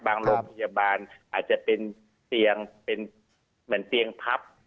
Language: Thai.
โรงพยาบาลอาจจะเป็นเตียงเป็นเหมือนเตียงพับ